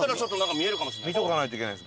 見ておかないといけないんです